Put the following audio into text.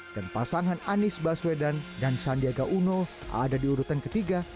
dan pasangan anis baswedan dan sandiaga uno ada di urutan ketiga